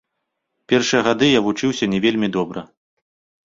Першыя гады я вучыўся не вельмі добра.